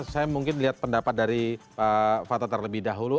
saya mungkin lihat pendapat dari pak fathatar lebih dahulu